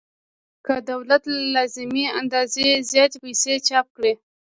که دولت له لازمې اندازې زیاتې پیسې چاپ کړي